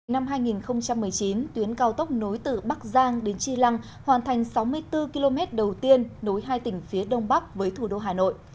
năm hai nghìn một mươi chín tuyến cao tốc nối từ bắc giang đến chi lăng hoàn thành sáu mươi bốn km đầu tiên nối hai tỉnh phía đông bắc với thủ đô hà nội